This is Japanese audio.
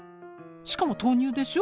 しかも豆乳でしょ。